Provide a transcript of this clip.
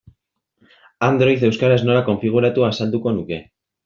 Android euskaraz nola konfiguratu azalduko nuke.